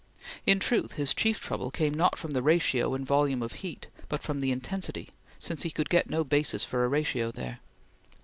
In truth, his chief trouble came not from the ratio in volume of heat, but from the intensity, since he could get no basis for a ratio there.